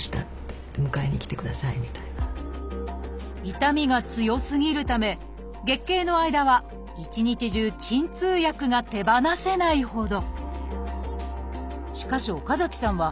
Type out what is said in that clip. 痛みが強すぎるため月経の間は一日中鎮痛薬が手放せないほど。